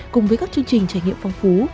cùng với các chương trình trải nghiệm phong phú